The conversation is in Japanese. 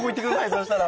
そしたら！